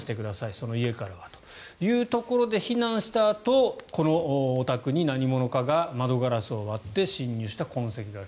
その家からはというところで避難したあと、このお宅に何者かが窓ガラスを割って侵入した痕跡がある。